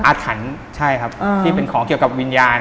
อาถรรพ์ใช่ครับที่เป็นของเกี่ยวกับวิญญาณ